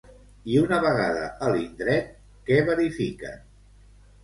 I una vegada a l'indret, què verifiquen?